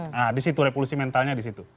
nah disitu revolusi mentalnya disitu